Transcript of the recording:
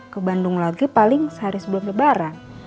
ke bandung lagi paling sehari sebelum lebaran